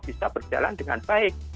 bisa berjalan dengan baik